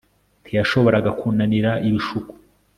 Ntiyashoboraga kunanira ibishuko